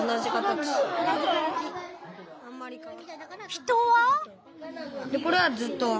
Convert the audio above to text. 人は？